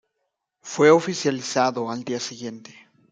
Fue oficializado al día siguiente.